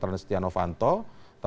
terhadap proses peninjauan kembali